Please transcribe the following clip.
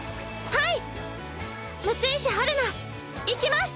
はい！